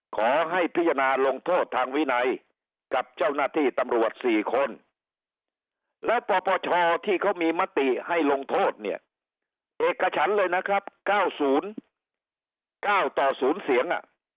ขอให้พิจารณาลงโทษทางวินัยกับเจ้าหน้าที่ตำรวจ๔คนแล้วปปชที่เขามีมติให้ลงโทษเนี่ยเอกฉันเลยนะครับ๙๐๙ต่อ๐เสียง